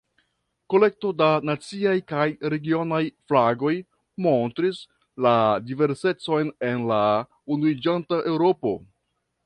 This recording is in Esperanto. Kolekto da naciaj kaj regionaj flagoj montris la diversecon en la unuiĝanta Eŭropo.